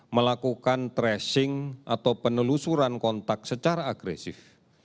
melakukan tracing atau penelusuran kontak secara agresif